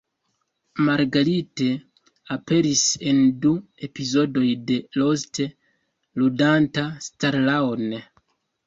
Marguerite aperis en du epizodoj de "Lost", ludanta Starla-on.